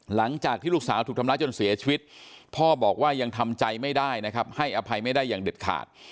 หลังจากที่ลูกสาวถูกทำร้ายจนเสียชีวิตพ่อบอกว่ายังทำใจไม่ได้นะครับให้อภัยไม่ได้อย่างเด็ดขาด